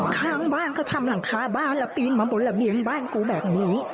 ข้างบ้านเขาทำหลังคาบ้านแล้วปีนมาบนระเบียงบ้านกูแบบนี้